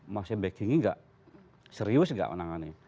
masih backing nya enggak serius enggak menangannya